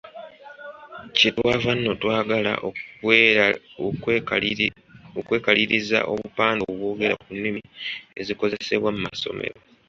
Kye twava nno twagala okwekaliriza obupande obwogera ku nnimi ezikozesebwa mu masomero.